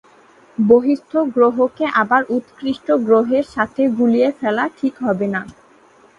বহিঃস্থ গ্রহকে আবার উৎকৃষ্ট গ্রহের সাথে গুলিয়ে ফেলা ঠিক হবে না।